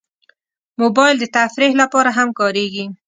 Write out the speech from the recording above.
موبایل د تفریح لپاره هم کارېږي.